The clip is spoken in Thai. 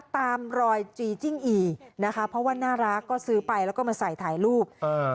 ตามรอยจีจิ้งอีนะคะเพราะว่าน่ารักก็ซื้อไปแล้วก็มาใส่ถ่ายรูปเออ